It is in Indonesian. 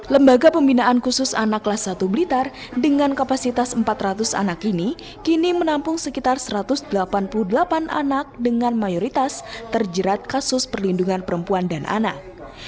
lembaga pembinaan khusus anak kelas satu blitar dengan kapasitas empat ratus anak ini kini menampung sekitar satu ratus delapan puluh delapan anak dengan mayoritas terjerat kasus perlindungan perempuan dan anak